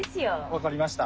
分かりました。